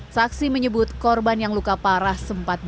saksi menyebut korban yang luka parah sempat balik